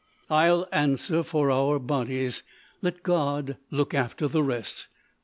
"I'll answer for our bodies. Let God look after the rest.